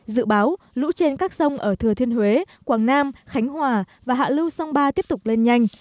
dự báo lũ trên các sông ở thừa thiên huế quảng nam khánh hòa và hạ lưu sông ba tiếp tục lên nhanh